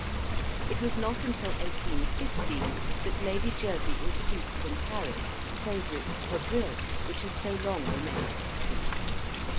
It was not until 1815 that Lady Jersey introduced from Paris the favourite quadrille, which has so long remained popular.